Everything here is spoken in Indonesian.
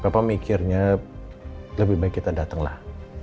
kepapa mikirnya lebih baik kita datenglah